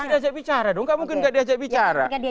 masih diajak bicara dong mungkin tidak diajak bicara